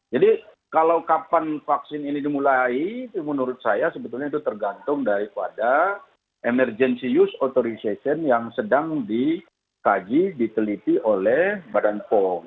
jadi kalau kapan vaksin ini dimulai itu menurut saya sebetulnya itu tergantung daripada emergency use authorization yang sedang dikaji diteliti oleh badan pom